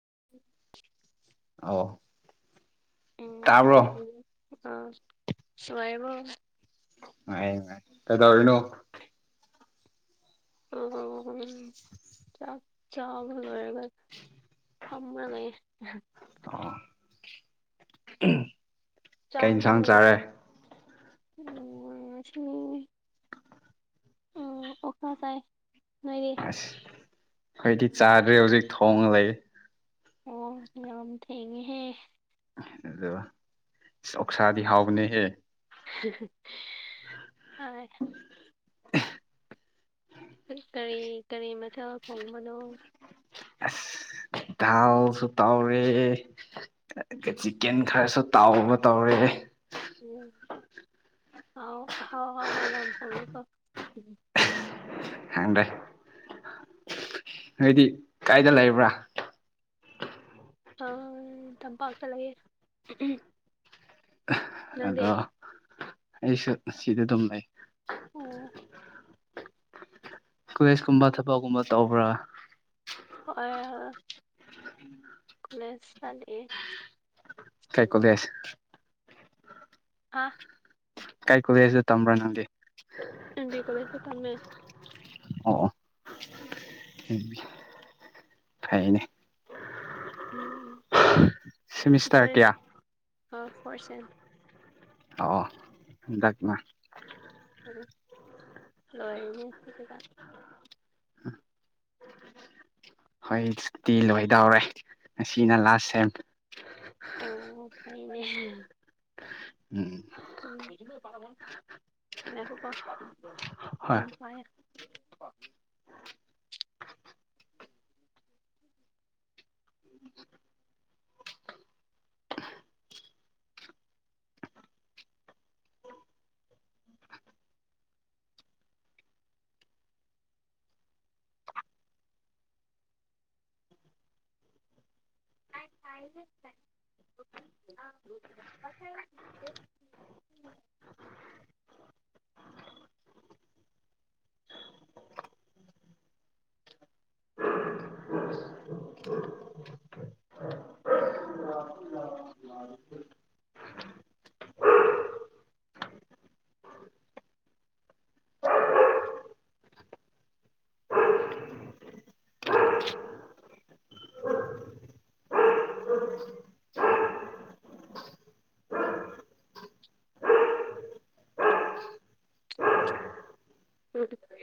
[inaudible] ꯑꯣ ꯎꯝ ꯑ ꯅꯨꯉꯥꯏꯔꯤꯕꯣ ꯅꯨꯉꯥꯏ ꯀꯩꯗꯧꯔꯤꯅꯣ [unintelligible] ꯆꯥꯛ ꯆꯥꯕ ꯂꯣꯏꯔꯒ ꯐꯝꯃꯒ ꯂꯩ ꯑꯣ [unintelligible] ꯀꯩ ꯏꯟꯁꯥꯡ ꯆꯔꯕꯅꯔꯤ ꯆꯥꯔꯦ ꯎ ꯑꯣꯁꯅ ꯆꯥꯏ ꯅꯣꯏꯔꯤ ꯑꯁ ꯍꯥꯏꯣꯏꯗꯤ ꯆꯥꯗ꯭ꯔꯦ ꯍꯧꯖꯤꯛ ꯊꯣꯡꯉ ꯂꯩ ꯑꯣ ꯌꯥꯝꯝ ꯊꯦꯡꯉꯦꯍꯦ ꯑꯗ ꯑꯣꯛꯁꯥꯗꯤ ꯍꯥꯎꯅꯦꯍꯦ [unintelligible] [inaudible] ꯀꯔꯤ ꯀꯔꯤ ꯃꯊꯛ ꯐꯣꯡꯕꯅꯣ ꯑꯁ ꯊꯥꯎꯁꯨ ꯇꯥꯎꯔꯦ ꯆꯤꯛꯀꯦꯟ ꯈꯔꯁꯨ ꯇꯥꯎꯕ ꯇꯧꯔꯦꯍꯦ ꯎꯝ ꯍꯥꯎ ꯍꯥꯎ ꯍꯥꯎꯕ ꯌꯥꯝ ꯊꯣꯡꯉꯤꯀꯣ ꯈꯪꯗ꯭ꯔꯦ ꯅꯣꯏꯗꯤ ꯀꯥꯏꯗ ꯂꯩꯕ꯭ꯔꯥ ꯑꯥ ꯇꯝꯄꯥꯛ ꯇ ꯂꯩꯑꯦ ꯑꯗꯣ ꯑꯩꯁꯨ ꯁꯤꯗꯤ ꯑꯗꯨꯝ ꯂꯩ ꯑꯣ ꯀꯨꯋꯦꯁ ꯀꯨꯝꯕ ꯊꯕꯛꯒꯨꯝꯕ ꯇꯧꯕ꯭ꯔꯥ ꯑꯣ ꯀꯂꯦꯖ ꯀꯔꯤ ꯀꯩ ꯀꯣꯂꯦꯁ ꯑꯥ ꯀꯥꯏ ꯀꯕꯦꯁꯨ ꯇꯝꯕ꯭ꯔꯥ ꯅꯪꯗꯤ ꯑꯦꯕꯤ ꯀꯣꯖꯦ ꯇꯝꯃꯦ ꯎꯝ ꯎꯝ ꯐꯥꯏꯅꯦ ꯎꯝ ꯁꯤꯃꯤꯁꯇꯔ ꯀꯌꯥ ꯅ ꯐꯣꯔꯁꯦꯟ [unintelligible] ꯎꯝ ꯂꯣꯏꯅꯦꯀ ꯍꯣꯏ ꯁꯨꯇꯤ ꯂꯣꯏꯗꯧꯔꯦ ꯑꯁꯤꯅ ꯂꯥꯁ ꯁꯦꯝ ꯑꯣ ꯐꯥꯏꯅꯦ ꯎꯝ ꯉꯥꯏꯈꯣꯀꯣ ꯄꯥꯏ ꯍꯣꯏ [inaudible] [unintelligible] [inaudible]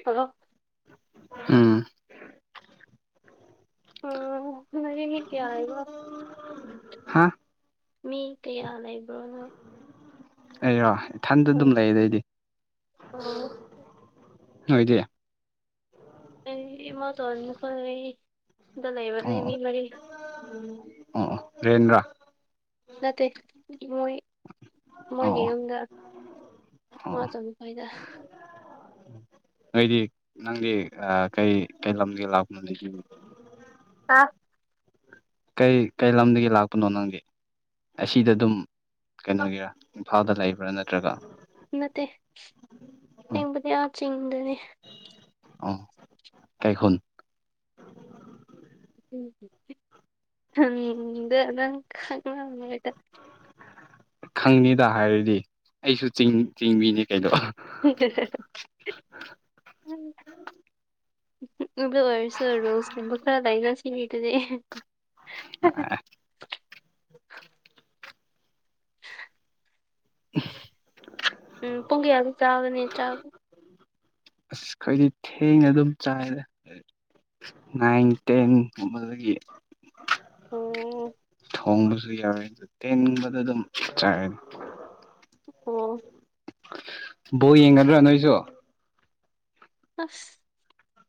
ꯍꯜꯂꯣ ꯎꯝ ꯎꯝ ꯃ ꯃꯤ ꯀꯌꯥꯑꯕ ꯍꯥ ꯃꯤ ꯀꯌꯥ ꯂꯩꯕ꯭ꯔꯣꯅꯣ ꯑꯩꯔꯣ ꯏꯊꯟꯗ ꯑꯗꯨꯝ ꯂꯩ ꯑꯗꯩꯗꯤ ꯎꯝ ꯅꯣꯏꯗꯤ ꯑꯦ ꯃ ꯇ ꯑꯣꯜꯅꯤ ꯈꯣꯏ ꯗ ꯂꯩꯕ ꯑꯣ ꯑꯣ ꯃꯤꯦꯃꯔꯤ ꯑꯣ [unintelligible] ꯔꯦꯟꯗ꯭ꯔꯥ ꯅꯠꯇꯦ ꯃꯣꯏ ꯑꯣ ꯃꯣꯏꯒꯤ ꯑꯣ ꯌꯨꯝꯗ ꯑꯣ ꯃꯥ ꯑꯣ ꯇꯝ ꯐꯥꯏꯗ ꯅꯣꯏꯗꯤ ꯅꯪꯗꯤ ꯀꯩ ꯀꯩ ꯂꯝꯒꯤ ꯂꯥꯛꯄ ꯑꯥ ꯀꯩ ꯀꯩ ꯂꯝꯗꯒꯤ ꯂꯥꯛꯄꯅꯣ ꯅꯪꯗꯤ ꯑꯁꯤꯗ ꯑꯗꯨꯝ ꯀꯩꯅꯣꯒꯤꯔꯥ ꯏꯝꯐꯥꯜꯗ ꯂꯩꯕ꯭ꯔꯥ ꯅꯠꯇ꯭ꯔꯒ ꯅꯠꯇꯦ ꯎ ꯍꯦꯡꯕꯨꯗꯤ ꯌꯥꯝ ꯆꯤꯡꯗꯅꯤ ꯀꯥꯏꯈꯣꯟ ꯎꯝ ꯈꯥꯏꯇ ꯈꯪꯅꯤꯗ ꯍꯥꯏꯔꯗꯤ ꯑꯩꯁꯨ ꯆꯤꯡ ꯆꯤꯡꯕꯤꯅꯤ ꯀꯩꯩꯅꯣ ꯎꯝ ꯑꯗꯨ ꯑꯣꯏꯔꯁꯨ ꯔꯣꯁꯀꯕ ꯈꯔ ꯂꯩꯒꯁꯤꯅꯤ ꯑꯗꯨꯗꯤ ꯑ ꯎꯝ ꯄꯨꯡ ꯀꯌꯥ ꯑꯗꯨꯛ ꯆꯥꯕꯅꯦ ꯆꯥꯛ ꯑꯩꯈꯣꯏꯗꯤ ꯊꯦꯡꯅ ꯑꯗꯨꯝ ꯆꯥꯏꯔ ꯅꯥꯏꯟ ꯇꯦꯟꯗꯒꯤ ꯑꯣ ꯊꯣꯡꯕꯁꯨ ꯌꯥꯎꯋꯦ ꯑꯗꯨ ꯇꯦꯟꯕꯗ ꯑꯗꯨꯝ ꯆꯥꯛꯑꯦ ꯎꯝ ꯕꯣ ꯌꯦꯡꯒꯗ꯭ꯔꯣ ꯅꯣꯏꯁꯨ ꯑꯁ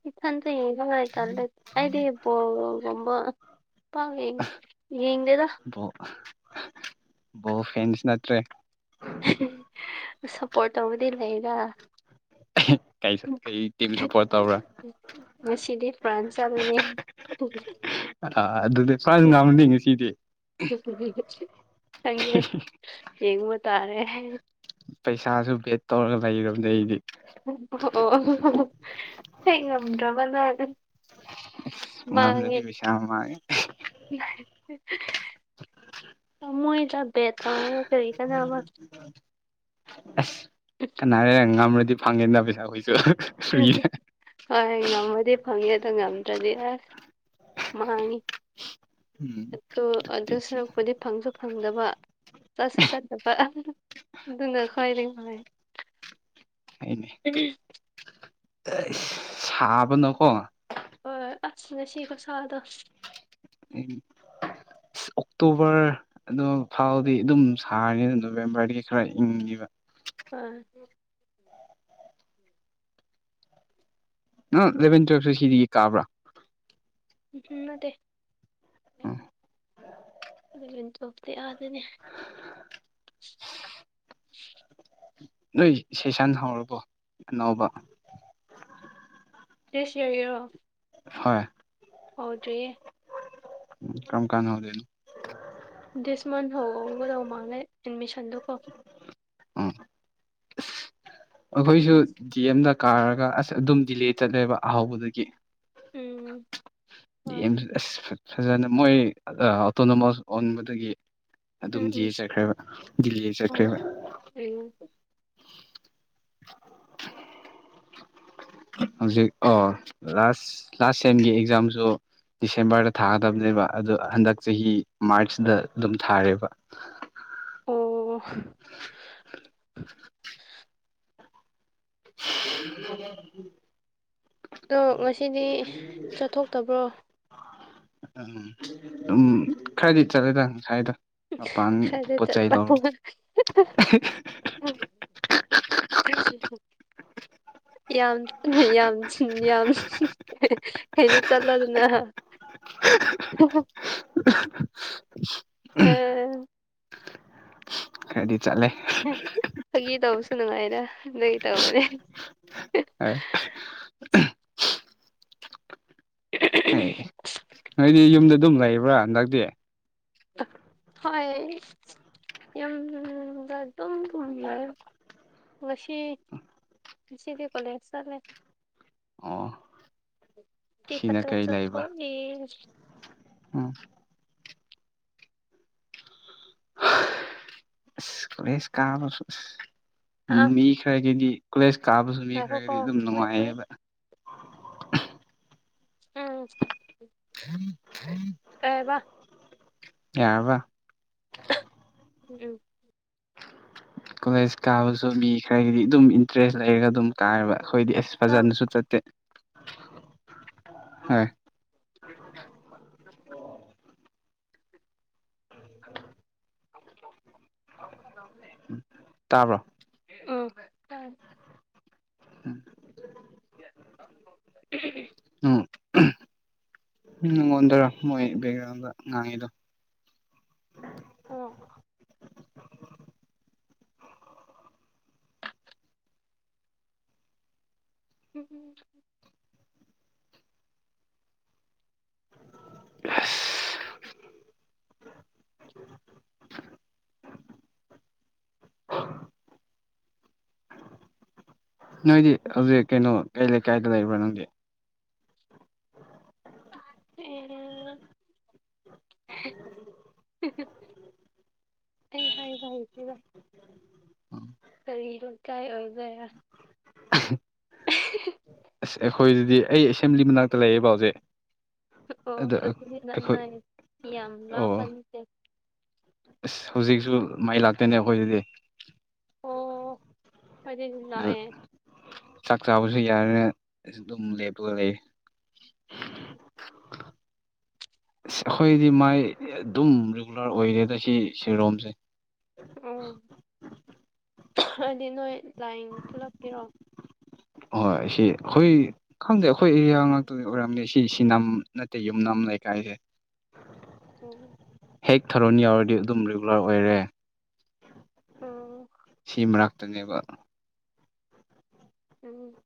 ꯏꯊꯗ ꯌꯦꯇꯂꯦ ꯑꯗꯤ ꯏꯕꯣ ꯔꯝꯕ ꯄ ꯌꯦ ꯌꯦꯉꯦꯗ ꯑꯣ ꯑꯣꯕ ꯐꯦꯟꯁ ꯅꯠꯇ꯭ꯔꯦ ꯁꯞꯄꯣꯔꯠ ꯇꯧꯕꯗꯤ ꯂꯩꯒ ꯀꯩ ꯇꯤꯝ ꯁꯞꯄꯣꯔꯠ ꯇꯧꯔꯥ ꯁꯤꯗꯤ ꯐ꯭ꯔꯥꯟꯁ ꯑꯃꯅꯤꯅꯦ ꯑꯥ ꯑꯗꯨꯗꯤ ꯐ꯭ꯔꯥꯟꯁ ꯉꯥꯡꯃꯅꯤ ꯉꯁꯤꯗꯤ ꯈꯪꯗꯦ ꯌꯦꯡꯕ ꯇꯥꯔꯦ ꯄꯩꯁꯥꯁꯨ ꯕꯦꯠ ꯇꯧꯔꯒ ꯂꯩꯒꯝ ꯂꯩꯔꯤ ꯑꯣ ꯑꯣ ꯉꯝꯗ꯭ꯔꯕ ꯅ ꯉꯝꯗꯔꯗꯤ ꯁꯥ ꯑꯃꯥꯏꯦ [inaudible] [unintelligible] ꯑꯁ ꯀꯅꯥꯔꯦ ꯉꯝꯔꯗꯤ ꯐꯪꯉꯦꯗ ꯄꯩꯁꯥ ꯀꯣꯏꯁꯨ ꯍꯣꯏ ꯉꯝꯃꯗꯤ ꯐꯪꯉꯦ ꯑꯗꯣ ꯉꯝꯗ꯭ꯔꯗꯤ ꯑꯁ ꯃꯥꯡꯉꯤ ꯎꯝ ꯑꯗꯨꯣ ꯑꯗꯨ ꯁꯔꯛꯄꯨꯗꯤ ꯐꯪꯁꯨ ꯐꯪꯗꯕ ꯆꯠꯁꯤ ꯆꯠꯅꯕ ꯑꯗꯨꯅ ꯈ꯭ꯋꯥꯏꯔꯅꯨꯡꯥꯏ [inaudible] ꯑꯩꯆ ꯁꯥꯕꯅꯀꯣ ꯍꯣꯏ ꯑꯆ ꯉꯁꯤꯒꯤ ꯈꯨꯁꯥꯗꯣ ꯎꯝ ꯑꯣꯛꯇꯣꯕꯔ ꯑꯗꯨ ꯐꯥꯎꯗꯤ ꯑꯗꯨꯝ ꯁꯥꯔꯅꯤ ꯑꯗꯨ ꯅꯣꯕꯦꯝꯕꯔꯗꯒꯤ ꯈꯔ ꯏꯪꯉꯤꯕ ꯑ ꯅꯪ ꯑꯦꯂꯚꯦꯟ ꯇꯨꯋꯜꯞꯇ ꯁꯤꯗꯒꯤ ꯀꯥꯕ꯭ꯔꯥ ꯎꯝ ꯅꯗꯦ ꯎꯝ [unintelligible] ꯅꯣꯏ ꯁꯤꯁꯟ ꯍꯧꯔꯕꯣ ꯑꯅꯧꯕ ꯗꯤꯁ ꯌꯤꯔ ꯍꯣꯏ ꯑꯣꯗ꯭ꯔꯤꯌꯦ ꯎꯝ ꯀꯝ ꯀꯥꯟ ꯍꯧꯗꯣꯏꯅꯣ ꯗꯤꯁ ꯃꯟꯠ ꯍꯧꯒꯗꯧꯕ ꯃꯥꯡꯂꯦ ꯑꯦꯗꯃꯤꯁꯟꯗꯨꯀꯣ ꯎꯝ ꯑꯩꯈꯣꯏꯁꯨ ꯗꯤ ꯑꯦꯝꯗ ꯀꯥꯔꯒ ꯑꯁ ꯑꯗꯨꯝ ꯗꯤꯂꯦ ꯆꯠꯂꯦꯕ ꯑꯍꯥꯎꯕꯗꯒꯤ ꯎꯝ ꯍꯣꯏ ꯦꯝ ꯑꯁ ꯐꯖꯅ ꯃꯣꯏ ꯑꯣꯇꯣꯅꯣꯃꯣꯁ ꯑꯣꯟꯕꯗꯒꯤ ꯑꯗꯨꯝ ꯎꯝ ꯎꯝ ꯖꯤꯌꯦ ꯆꯠꯈ꯭ꯔꯦꯕ ꯗꯤꯜꯂꯤ ꯑꯣ ꯆꯠꯈ꯭ꯔꯦꯕ [inaudible] ꯍꯧꯖꯤꯛ ꯑꯣ ꯂꯥꯁ ꯂꯥꯁ ꯁꯦꯝꯒꯤ ꯑꯦꯛꯖꯥꯝꯁꯨ ꯗꯤꯁꯦꯝꯕꯔꯗ ꯊꯥꯒꯗꯕꯅꯦꯕ ꯑꯗꯨ ꯍꯟꯗꯛ ꯆꯍꯤ ꯃꯥꯔꯆꯗ ꯑꯗꯨꯝ ꯊꯥꯔꯦꯕ ꯑꯣ ꯎ [inaudible] ꯑꯗꯣ ꯉꯁꯤꯗꯤ ꯆꯠꯊꯣꯛꯇꯕ꯭ꯔꯣ ꯎꯝ ꯑꯗꯨꯝ ꯈꯔꯗꯤ ꯆꯠꯂꯦꯗ ꯉꯁꯥꯏꯗꯣ ꯃꯄꯥꯟ ꯄꯣꯠ ꯆꯩ ꯂꯧ [unintelligible] ꯌꯥꯝ ꯌꯥꯝ ꯌꯥꯝ ꯀꯩꯅꯣ ꯆꯠꯂꯗꯅ [unintelligible] ꯑ ꯈꯔꯗꯤ ꯆꯠꯂꯦ ꯐꯥꯒꯤ ꯇꯧꯕꯁꯨ ꯅꯨꯡꯉꯥꯏꯗ ꯑꯗꯨꯒꯤ ꯇꯧꯕꯅꯦ ꯍꯩ ꯅꯣꯏꯗꯤ ꯌꯨꯝꯗ ꯑꯗꯨꯝ ꯂꯩꯕ꯭ꯔꯥ ꯍꯟꯗꯛꯇꯤ ꯍꯣꯏ ꯌꯨꯝꯗ ꯑꯗꯨꯝ ꯂꯩꯔꯦ ꯉꯁꯤ ꯉꯁꯤꯗꯤ ꯀꯣꯂꯦꯖ ꯆꯠꯂꯦ ꯑꯣ ꯑꯁꯤꯅ ꯀꯔꯤ ꯂꯩꯕ ꯑꯦ ꯎꯝ ꯑꯁ ꯀꯣꯂꯦꯁ ꯀꯥꯕ ꯑ ꯃꯤ ꯈꯔꯒꯤꯗꯤ ꯀꯣꯂꯦꯖ ꯀꯥꯕꯁꯨ ꯉꯥꯏꯈꯣꯀꯣ ꯃꯤꯈ꯭ꯔꯒꯤꯗꯤ ꯑꯗꯨꯝ ꯋꯦꯠ ꯋꯦꯠ ꯅꯨꯡꯉꯥꯏꯌꯦꯕ ꯎꯝ ꯀꯩꯕ ꯌꯔꯕꯥ ꯑꯗꯨ ꯀꯣꯂꯦꯖ ꯀꯥꯕꯁꯨ ꯃꯤ ꯈꯔꯒꯤꯗꯤ ꯑꯗꯨꯝ ꯏꯟꯇꯔꯦꯁ ꯂꯩꯔꯒ ꯑꯗꯨꯝ ꯀꯥꯏꯔꯕ ꯑꯩꯈꯣꯏꯗꯤ ꯑꯁ ꯇꯥꯕ꯭ꯔꯣ ꯐꯖꯅꯁꯨ ꯆꯠꯇꯦ ꯍꯣꯏ [inaudible] ꯅꯦ [unintelligible] ꯇꯥꯕ꯭ꯔꯣ ꯑꯥ ꯎꯝ [inaudible] ꯎꯝ ꯅꯪꯉꯣꯟꯗꯔꯥ ꯃꯣꯏ ꯕꯦꯛꯒ꯭ꯔꯥꯎꯟꯗ ꯉꯥꯡꯉꯤꯗꯣ ꯑꯣ ꯎꯝ ꯎꯝ [inaudible] ꯑꯥꯁ [inaudible] ꯅꯣꯏꯗꯤ ꯍꯧꯖꯤꯛ ꯀꯩꯅꯣ ꯀꯩ ꯂꯩꯀꯥꯏꯗ ꯂꯩꯕ꯭ꯔꯥ ꯅꯪꯗꯤ ꯑꯦ ꯑꯩ ꯍꯥꯏꯕ ꯍꯩꯇꯦꯗꯥ ꯀꯔꯤꯒꯤꯅꯣ ꯀꯥꯏ ꯑꯣꯏꯕꯩꯔꯥ ꯑꯁ ꯑꯩꯈꯣꯏꯗꯗꯤ ꯑꯩ ꯑꯦꯁꯦꯝꯕ꯭ꯂꯤ ꯃꯅꯥꯛꯇ ꯂꯩꯌꯦꯕꯥ ꯍꯧꯖꯤꯛ ꯑꯣ ꯑꯗ ꯑꯗꯨꯗꯤ ꯅꯪ ꯑꯩꯈꯣꯏ ꯂꯩꯁꯤ ꯌꯥꯝ ꯑꯣ ꯂꯥꯞꯄ ꯅꯥꯠꯇꯦ ꯑꯁ ꯍꯧꯖꯤꯛꯁꯨ ꯃꯥꯏ ꯂꯥꯛꯇꯣꯏꯅꯦ ꯑꯩꯈꯣꯏꯗꯗꯤ ꯑꯣ ꯑꯩꯈꯣꯏꯗꯥꯗꯤ ꯑꯗꯨ ꯂꯥꯛꯑꯦ ꯆꯥꯛ ꯆꯥꯕꯁꯨ ꯌꯥꯔꯦ ꯏꯁ ꯇꯨꯝꯒꯦ ꯈꯣꯠꯂꯤ [inaudible] ꯑꯩꯈꯣꯏꯗꯤ ꯃꯥꯏ ꯑꯗꯨꯝ ꯔꯤꯒꯨꯂꯔ ꯑꯣꯏꯔꯦꯗ ꯁꯤ ꯁꯤꯔꯣꯝꯁꯦ ꯎꯝ ꯍꯥꯏꯗꯤ ꯅꯣꯏ ꯂꯥꯏꯡ ꯄꯨꯂꯛꯄꯤꯔꯣ ꯍꯣꯏ ꯁꯤ ꯑꯩꯈꯣꯏ ꯈꯪꯗꯦ ꯑꯩꯈꯣꯏ ꯑꯦꯔꯤꯌꯥ ꯉꯥꯛꯇꯗꯤ ꯑꯣꯏꯔꯝꯅꯦ ꯁꯤ ꯁꯤꯅꯝ ꯅꯠꯇꯦ ꯌꯨꯝꯅꯝ ꯂꯩꯀꯥꯏꯁꯦ [unintelligible] ꯍꯦꯛ ꯊꯔꯣꯟ ꯌꯥꯎꯔꯗꯤ ꯑꯗꯨꯝ ꯔꯤꯒꯨꯂꯔ ꯑꯣꯏꯔꯦ ꯑꯣ ꯁꯤ ꯃꯔꯛꯇꯅꯦꯕ ꯎꯝ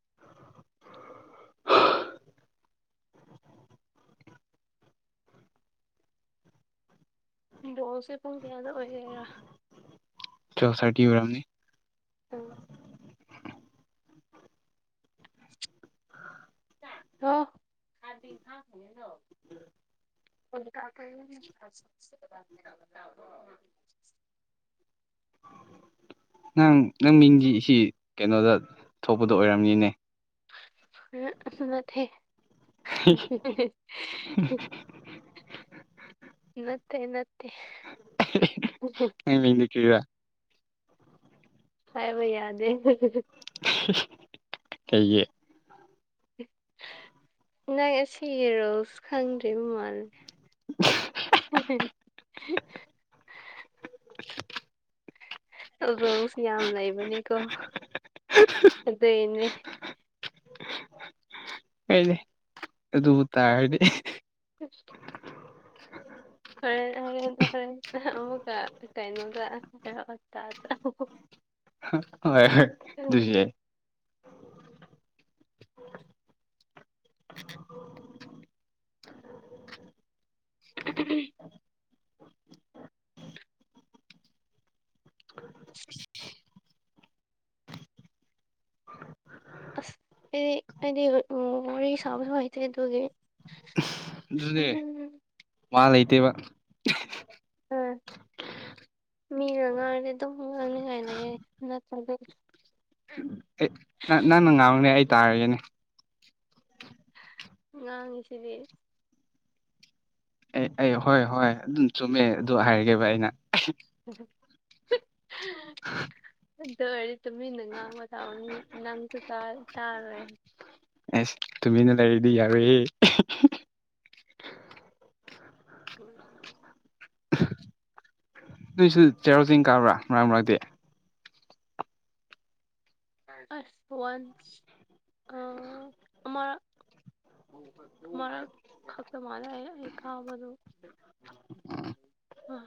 ꯕꯣꯜꯁꯦ ꯄꯨꯡ ꯀꯌꯥꯗ ꯑꯣꯏꯒꯦꯔꯥ ꯇꯨꯌꯦꯞ ꯊꯥꯔꯇꯤ ꯑꯣꯏꯔꯝꯅꯤ ꯑꯪ ꯍꯥꯎ [inaudible] ꯎꯝ [inaudible] [unintelligible] ꯅꯪ ꯅꯪ ꯃꯤꯡꯗꯤ ꯁꯤ ꯀꯩꯅꯣꯗ ꯊꯣꯛꯄꯗꯣ ꯑꯣꯏꯔꯝꯅꯤꯅꯦ ꯑ ꯑꯁꯨꯅ ꯊꯦ [unintelligible] ꯅꯠꯇꯦ ꯅꯠꯇꯦ ꯅꯪ ꯃꯤꯡꯗꯤ ꯀꯔꯤꯔꯥ ꯍꯥꯏꯕ ꯌꯥꯗꯦ ꯀꯩꯒꯤ ꯅꯪ ꯑꯁꯤꯒꯤ ꯔꯨꯜꯁ ꯈꯪꯗ꯭ꯔꯤꯕ ꯃꯥꯜꯂꯦ [unintelligible] [inaudible] ꯔꯨꯜꯁ ꯌꯥꯝ ꯂꯩꯕꯅꯦꯀꯣ ꯑꯗꯨꯏꯅꯦ ꯀꯥꯏꯗꯦ ꯑꯗꯨ ꯇꯥꯔꯗꯤ [inaudible] ꯍꯔꯦꯟ ꯍꯔꯦꯟ ꯍꯔꯦꯟ ꯑꯃꯨꯛꯀ ꯀꯩꯅꯣꯗ [unintelligible] ꯍ ꯍꯣꯏ ꯑꯗꯨꯁ ꯌꯥꯏ [unintelligible] ꯑꯁ ꯑꯩꯗꯤ ꯑꯩꯗꯤ ꯎ ꯋꯥꯔꯤ ꯁꯥꯕꯁꯨ ꯍꯩꯇꯦ ꯑꯗꯨꯒꯤ ꯑꯗꯨꯅꯦ ꯋꯥ ꯂꯩꯇꯦꯕ ꯑꯥ ꯃꯤꯅ ꯉꯥꯡꯔꯗꯤ ꯑꯗꯨꯝ ꯉꯥꯡꯡꯅꯤꯉꯥꯏ ꯂꯩꯌꯦ ꯅꯠꯇ꯭ꯔꯗꯤ ꯑꯦ ꯅ ꯅꯪꯅ ꯉꯥꯡꯉꯨꯅꯦ ꯑꯩ ꯇꯥꯔꯒꯦꯅꯦ ꯉꯥꯡꯉꯤ ꯁꯤꯗꯤ ꯑꯩ ꯑꯩ ꯍꯣꯏ ꯍꯣꯏ ꯑꯗꯨꯝ ꯆꯨꯝꯃꯦ ꯑꯗꯨ ꯍꯥꯏꯔꯒꯦꯕ ꯑꯩꯅ [inaudible] ꯑꯗ ꯑꯣꯏꯔꯗꯤ ꯇꯨꯃꯤꯟꯅ ꯉꯥꯡꯕ ꯊꯥꯛꯑꯣꯅꯤ ꯅꯪꯁꯨ ꯇꯥꯔꯣꯏ ꯑꯦꯁ ꯇꯨꯃꯤꯟꯅ ꯂꯩꯔꯤꯗꯤ ꯌꯥꯎꯔꫭꯏꯍꯦ [unintelligible] ꯅꯣꯏꯁꯨ ꯆꯩꯔꯥꯎ ꯆꯤꯡ ꯀꯥꯕ꯭ꯔꯥ ꯃꯔꯛ ꯃꯔꯛꯇꯤ ꯑꯁ ꯋꯥꯟꯁ ꯑ ꯑꯃꯔꯛ ꯑꯃꯔꯛ ꯈꯛꯇ ꯃꯥꯜꯂꯦ ꯑꯩ ꯑꯩ ꯀꯥꯕꯗꯨ ꯑ